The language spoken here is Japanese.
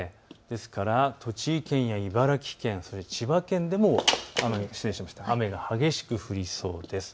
ですから栃木県や茨城県、千葉県でも雨が激しく降りそうです。